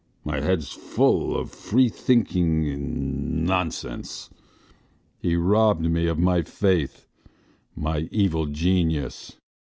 ... My head's full of freethinking and nonsense. ... He robbed me of my faith my evil genius!